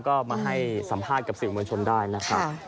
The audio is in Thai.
ก็มาให้สัมภาษณ์กับสื่อมวลชนได้นะครับ